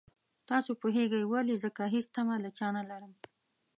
تاسو پوهېږئ ولې ځکه هېڅ تمه له چا نه لرم.